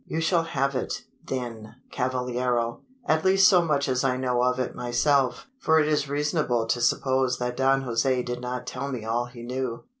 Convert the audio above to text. "You shall have it, then, cavallero at least so much as I know of it myself: for it is reasonable to suppose that Don Jose did not tell me all he knew.